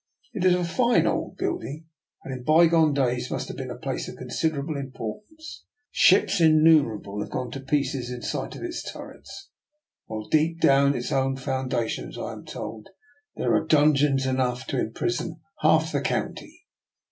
It is a fine old building, and in bygone days must have been a place of considerable importance. Ships in numerable have gone to pieces in sight of its turrets; while deep down in its own founda tions I am told there are dungeons enough 153 DR. NIKOLA'S EXPERIMENT. to imprison half the county.